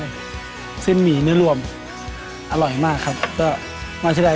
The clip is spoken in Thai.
เก็บเงินตลอดเก็บเงินตลอดเก็บเงินตลอดแม่ใจร้าย